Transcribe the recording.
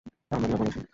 আমরা নিরাপদ আছি।